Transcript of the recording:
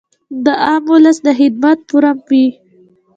د عام اولس د خدمت فورم وي -